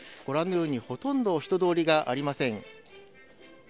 ご覧のように、ほとんど人通りがありません。